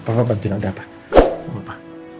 papa bantu noda pa